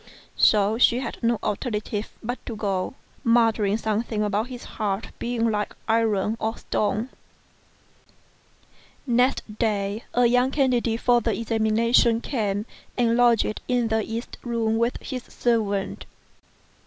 So she had no alternative but to go, muttering something about his heart being like iron or stone. Next day, a young candidate for the examination came and lodged in the east room with his servant.